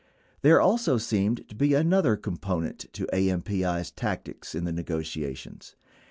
There also seemed to be another component to AMPI's tactics in the negotiations.